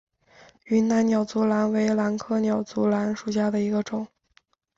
云南鸟足兰为兰科鸟足兰属下的一个种。